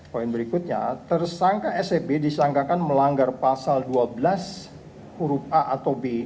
poin berikutnya tersangka seb disangkakan melanggar pasal dua belas huruf a atau b